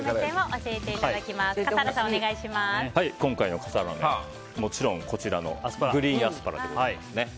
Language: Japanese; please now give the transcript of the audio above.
今回の笠原の眼はもちろんこちらのグリーンアスパラでございます。